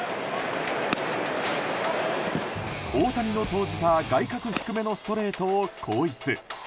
大谷の投じた外角低めのストレートを後逸。